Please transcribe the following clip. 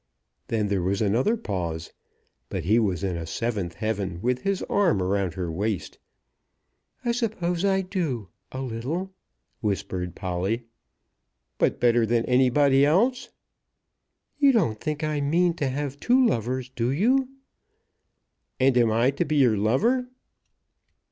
Then there was another pause; but he was in a seventh heaven, with his arm round her waist. "I suppose I do; a little," whispered Polly. "But better than anybody else?" "You don't think I mean to have two lovers; do you?" "And I am to be your lover?"